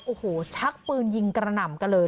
โอ้โหชักปืนยิงกระหน่ำกันเลย